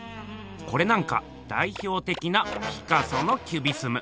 コレなんか代表的なピカソのキュビスム。